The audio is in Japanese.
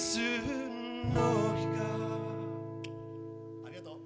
ありがとう。